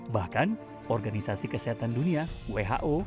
bahkan organisasi kesehatan dunia who